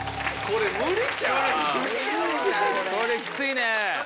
これきついね。